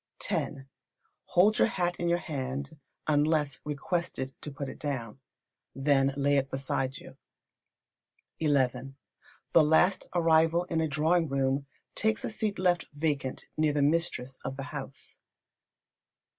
x. Hold your hat in your hand, unless requested to put it down. Then lay it beside you. xi. The last arrival in a drawing room takes a seat left vacant near the mistress of the house.